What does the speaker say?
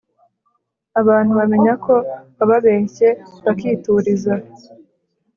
Abantu bamenya ko wababeshye bakituriza